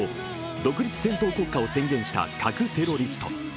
独立戦闘国家を宣言した核テロリスト。